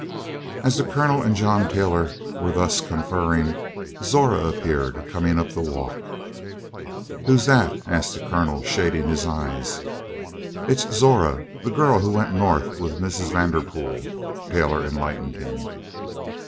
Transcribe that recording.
As the Colonel and John Taylor were thus conferring, Zora appeared, coming up the walk. "Who's that?" asked the Colonel shading his eyes. "It's Zora the girl who went North with Mrs. Vanderpool," Taylor enlightened him.